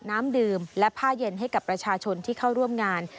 น้ำดื่มและผ้าเย็นให้กับประชาชนที่เข้าร่วมงาน